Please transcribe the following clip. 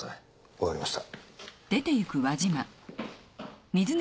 わかりました。